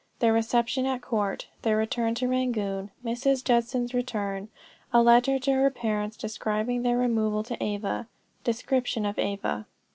THEIR RECEPTION AT COURT. THEIR RETURN TO RANGOON. MRS. JUDSON'S RETURN. A LETTER TO HER PARENTS DESCRIBING THEIR REMOVAL TO AVA. DESCRIPTION OF AVA.